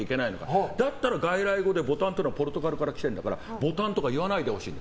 だったら外来語でボタンってのはポルトガルから来てるんだからボタンとか言わないでほしいの。